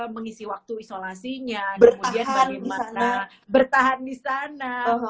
mengisi waktu isolasinya bertahan di sana